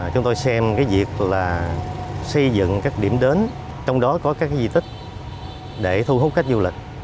chúng tôi xem việc là xây dựng các điểm đến trong đó có các di tích để thu hút khách du lịch